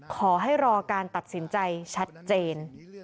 ขอให้รอการตัดสินใจชัดเจน